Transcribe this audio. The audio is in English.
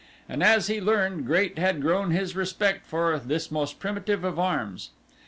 And as he learned great had grown his respect for this most primitive of arms.